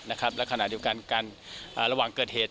และขณะเดียวกันกันระหว่างเกิดเหตุ